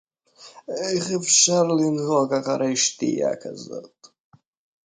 איך אפשר לנהוג אחרי שתייה כזאת